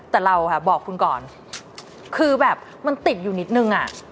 แต่เราบอกคุณก่อนคือแบบมันติดอยู่นิดนึงอ่ะ